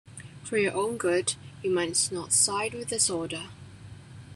For your own good — you must not side with disorder.